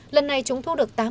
lần này chúng thu được